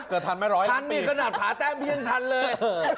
เกิดทันไหมร้อยนานปีทันมีกระหนับผาแต้มพี่ยังทันเลย